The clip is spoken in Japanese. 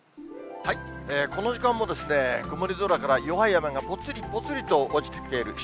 この時間も、曇り空から弱い雨がぽつりぽつりと落ちてきている汐留